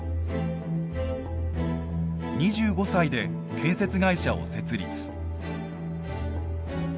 ２５歳で建設会社を設立。